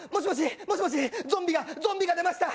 もしもしゾンビがゾンビが出ました